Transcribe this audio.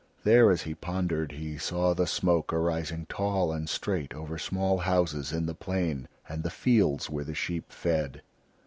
There, as he pondered, he saw the smoke arising tall and straight over small houses in the plain and the fields where the sheep fed.